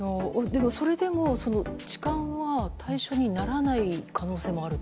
それでも痴漢は対象にならない可能性もあると？